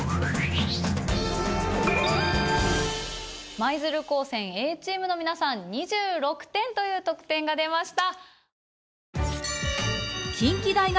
舞鶴高専Ａチームの皆さん２６点という得点が出ました。